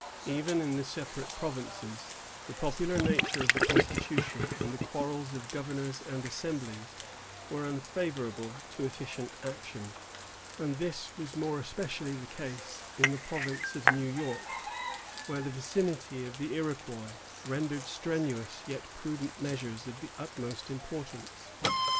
Even in the separate provinces, the popular nature of the constitution and the quarrels of governors and assemblies were unfavorable to efficient action; and this was more especially the case in the province of New York, where the vicinity of the Iroquois rendered strenuous yet prudent measures of the utmost importance.